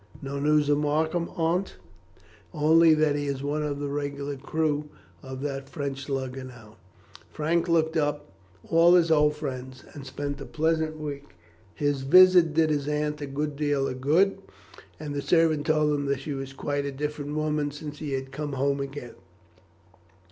"No news of Markham, Aunt?" "Only that he is one of the regular crew of that French lugger now." Frank looked up all his old friends and spent a pleasant week. His visit did his aunt a great deal of good, and the servant told him that she was quite a different woman since he had come home again.